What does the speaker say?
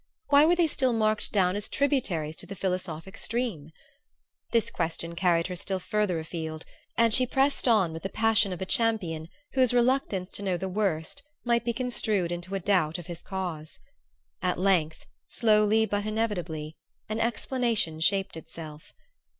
Why were they still marked down as tributaries to the philosophic stream? This question carried her still farther afield, and she pressed on with the passion of a champion whose reluctance to know the worst might be construed into a doubt of his cause. At length slowly but inevitably an explanation shaped itself.